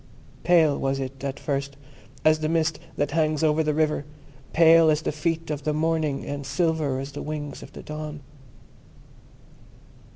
Pale was it, at first, as the mist that hangs over the river—pale as the feet of the morning, and silver as the wings of the dawn.